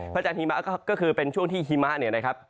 พระจันทร์หิมะก็คือเป็นช่วงที่หิมะ